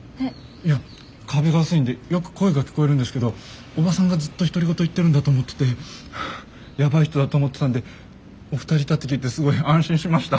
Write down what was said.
いや壁が薄いんでよく声が聞こえるんですけどおばさんがずっと独り言言ってるんだと思っててヤバい人だと思ってたんでお二人いたって聞いてすごい安心しました。